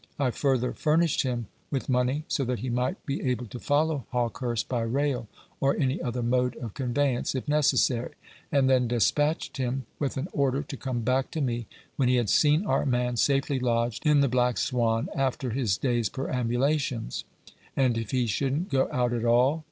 I further furnished him with money, so that he might be able to follow Hawkehurst by rail, or any other mode of conveyance, if necessary; and then despatched him, with an order to come back to me when he had seen our man safely lodged in the Black Swan after his day's perambulations. "And if he shouldn't go out at all?"